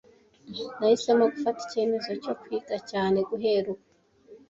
Nahisemo gufata icyemezo cyo kwiga cyane guhera ubu.